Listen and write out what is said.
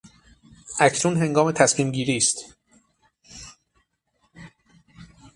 اکنون هنگام تصمیم گیری است.